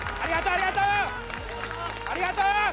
ありがとう！